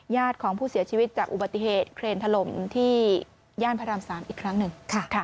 ของผู้เสียชีวิตจากอุบัติเหตุเครนถล่มที่ย่านพระราม๓อีกครั้งหนึ่ง